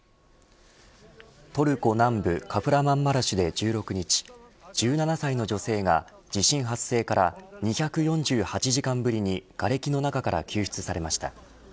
トルコ南部カフラマンマラシュで１６日１７歳の女性が地震発生から２４８時間ぶりにがれきの中から救出されました。